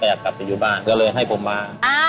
อยากกลับไปอยู่บ้านก็เลยให้ผมมา